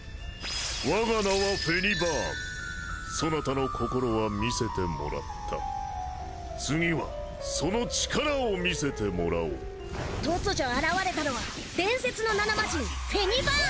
わが名はフェニバーンそなたの心は見せてもらった次はその力を見せてもらおう突如現れたのは伝説の７マジン・フェニバーン！